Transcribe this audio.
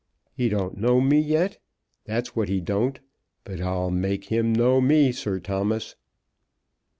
He don't know me yet; that's what he don't. But I'll make him know me, Sir Thomas."